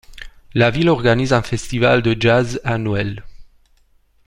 La ville organise un festival de jazz annuel.